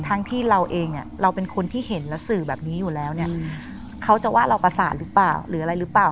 ที่เราเองเราเป็นคนที่เห็นและสื่อแบบนี้อยู่แล้วเนี่ยเขาจะว่าเราประสานหรือเปล่าหรืออะไรหรือเปล่า